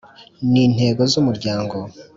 n intego z Umuryango